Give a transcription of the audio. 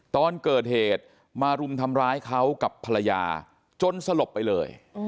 ตอนเกิดเหตุมารุมทำร้ายเขากับภรรยาจนสลบไปเลย